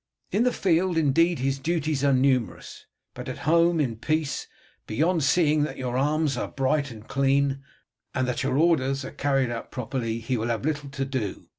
In the field indeed his duties are numerous, but at home in peace, beyond seeing that your arms are bright and clean, and that your orders are carried out properly, he will have but little to do.